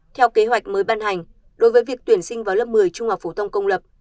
theo kế hoạch mới ban hành đối với việc tuyển sinh vào lớp một mươi trung học phổ thông công lập